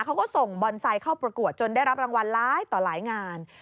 เขาก็ส่งบอนไซต์เข้าประกวดจนได้รับรางวัลร้ายต่อหลายงาน